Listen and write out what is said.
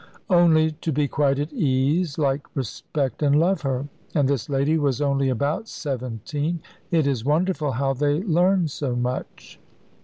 Only to be quite at ease, like, respect, and love her. And this lady was only about seventeen! It is wonderful how they learn so much.